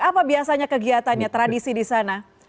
apa biasanya kegiatannya tradisi di sana